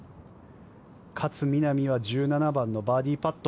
勝みなみは１７番のバーディーパット。